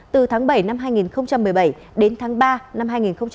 từ tháng bảy năm hai nghìn một mươi bảy đến tháng ba năm hai nghìn một mươi chín